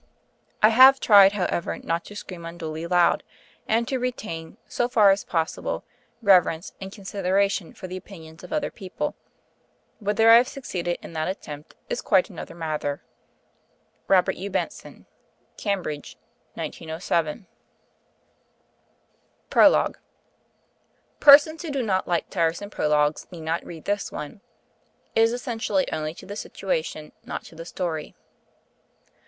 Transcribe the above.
I have tried, however, not to scream unduly loud, and to retain, so far as possible, reverence and consideration for the opinions of other people. Whether I have succeeded in that attempt is quite another matter. Robert Hugh Benson. CAMBRIDGE 1907. CONTENTS PROLOGUE BOOK I THE ADVENT BOOK II THE ENCOUNTER BOOK III THE VICTORY Persons who do not like tiresome prologues, need not read this one. It is essential only to the situation, not to the story.